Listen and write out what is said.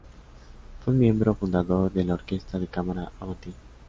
Fue un miembro fundador de la Orquesta de cámara Avanti!.